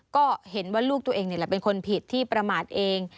ก็เห็นว่าลูกตัวเองนี่แหละเป็นคนผิดที่ประมาทเอง